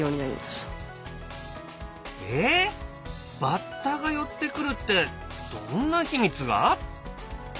バッタが寄ってくるってどんな秘密が？